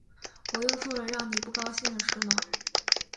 我又做了让你不高兴的事吗